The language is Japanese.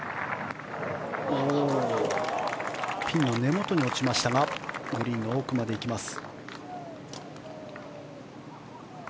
ピンの根元に落ちましたがグリーン奥まで行きます。